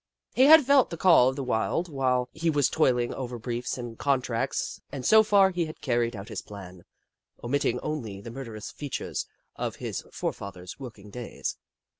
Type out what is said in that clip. He had felt the call of the wild while he was toiling over briefs and contracts, and so far he had carried out his plan, omit ting only the murderous features of his fore fathers' working days.